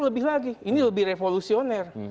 lebih lagi ini lebih revolusioner